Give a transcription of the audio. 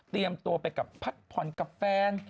เตรียมตัวไปกับพัดผ่อนกับแฟน